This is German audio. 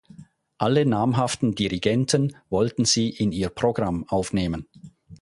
Alle namhaften Dirigenten wollten sie in ihr Programm aufnehmen.